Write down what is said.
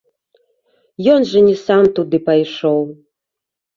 Ён жа не сам туды пайшоў.